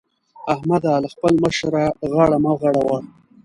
احمده! له خپل مشره غاړه مه غړوه.